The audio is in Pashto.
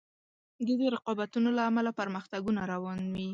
د دې رقابتونو له امله پرمختګونه روان وي.